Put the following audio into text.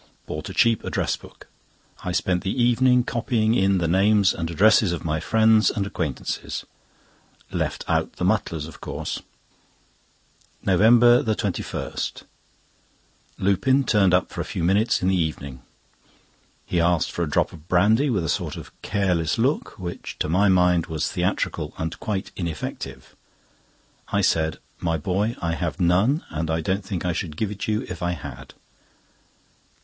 Bought a cheap address book. I spent the evening copying in the names and addresses of my friends and acquaintances. Left out the Mutlars of course. NOVEMBER 21.—Lupin turned up for a few minutes in the evening. He asked for a drop of brandy with a sort of careless look, which to my mind was theatrical and quite ineffective. I said: "My boy, I have none, and I don't think I should give it you if I had."